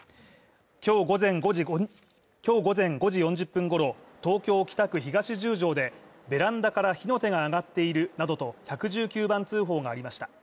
今日午前５時４０分ごろ、東京・北区東十条でベランダから火の手が上がっているなどと１１９番通報がありました。